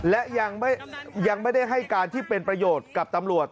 และยังไม่ได้ให้การที่เป็นประโยชน์กับตำรวจ